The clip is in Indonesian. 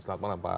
selamat malam pak